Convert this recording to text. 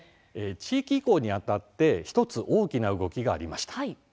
地域移行にあたって１つ大きな動きがありました。